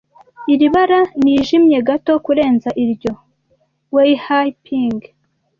Iri bara nijimye gato kurenza iryo. (weihaiping)